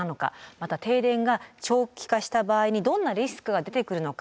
また停電が長期化した場合にどんなリスクが出てくるのか。